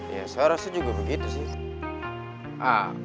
ya saya rasa juga begitu sih